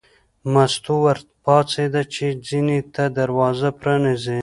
مستو ور پاڅېده چې چیني ته دروازه پرانیزي.